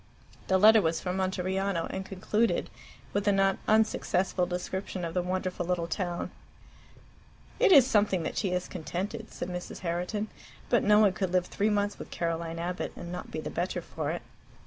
The letter was from Monteriano, and concluded with a not unsuccessful description of the wonderful little town. "It is something that she is contented," said Mrs. Herriton. "But no one could live three months with Caroline Abbott and not be the better for it."